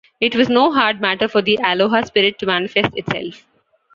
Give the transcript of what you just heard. It was no hard matter for the aloha spirit to manifest itself